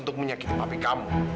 untuk menyakiti papi kamu